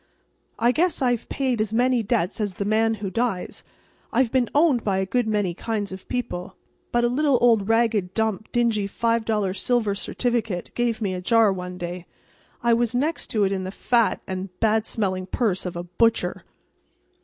I guess I've paid as many debts as the man who dies. I've been owned by a good many kinds of people. But a little old ragged, damp, dingy five dollar silver certificate gave me a jar one day. I was next to it in the fat and bad smelling purse of a butcher.